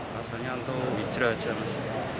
masanya untuk wicra aja mas